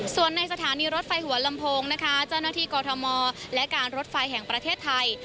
ส่วนในสถานีรถไฟหัวลำโพงนะคะเจ้าหน้าที่กอทมและการรถไฟแห่งประเทศไทย